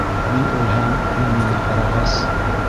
— Мин үлһәм, һин миңә ҡарағас...